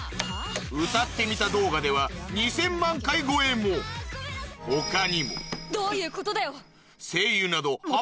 歌ってみた動画では２０００万回超えも他にもどういうことだよ？